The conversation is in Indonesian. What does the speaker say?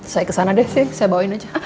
saya kesana deh sih saya bawain aja